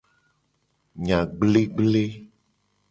Enya gblegble.